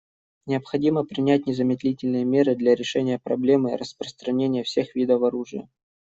Необходимо принять незамедлительные меры для решения проблемы распространения всех видов оружия.